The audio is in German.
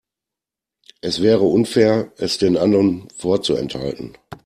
Es wäre unfair, es den anderen vorzuenthalten.